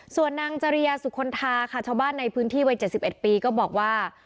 ส่วนนางจริยาสุคลทาค่ะชาวบ้านในพื้นที่วัย๗๑ปีก็บอกว่า